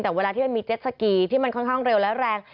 แต่เวลาที่มันมีเจ็ดสกีที่มันค่อนข้างเร็วและแรง